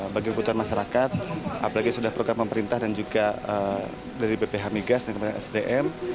bagi kebutuhan masyarakat apalagi sudah program pemerintah dan juga dari bph migas dan kementerian sdm